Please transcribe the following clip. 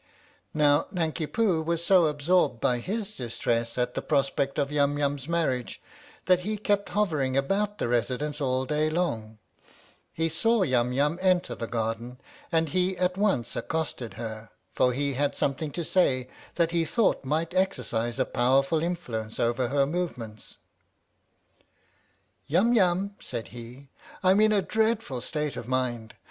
Now Nanki Poo was so absorbed by his distress at the prospect of Yum Yum's marriage that he kept hovering about the Residence all day long. He saw Yum Yum enter the garden and he at once accosted her, for he had something to say that he thought HE SAW YUM YUM ENTER THE GARDEN THE STORY OF THE MIKADO might exercise a powerful influence over her move ments. " Yum Yum," said he, "I'm in a dreadful state of mind.